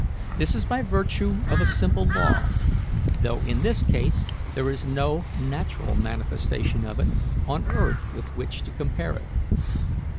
This is by virtue of a simple law, though in this case there is no natural manifestation of it on earth with which to compare it.